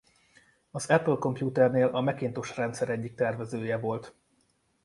Az Apple Computernél a Macintosh rendszer egyik tervezője volt.